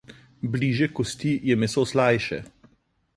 Bližje kosti je meso slajše.